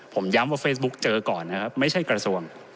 ผมย้ำว่าเฟซบุ๊กเจอก่อนนะครับไม่ใช่กระทรวง